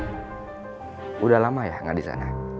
sudah lama ya nggak di sana